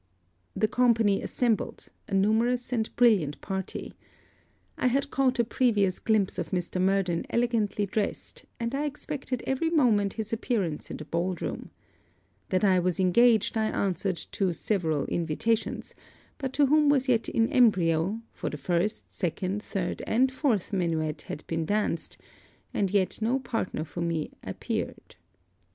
The company assembled, a numerous and brilliant party. I had caught a previous glimpse of Mr. Murden elegantly dressed, and I expected every moment his appearance in the ball room. That I was engaged I answered to several invitations; but to whom was yet in embryo, for the first, second, third and fourth minuet had been danced, and yet no partner for me appeared.